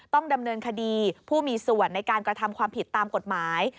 ต้องดำเนินคดีผู้มีส่วนในการกระทำความผิดตามกฎหมาย